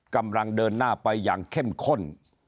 กำลังเดินหน้าไปอย่างเข้มข้น